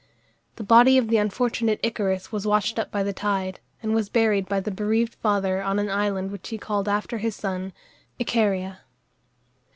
The body of the unfortunate Icarus was washed up by the tide, and was buried by the bereaved father on an island which he called after his son, Icaria.